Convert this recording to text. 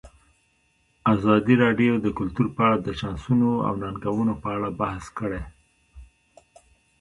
ازادي راډیو د کلتور په اړه د چانسونو او ننګونو په اړه بحث کړی.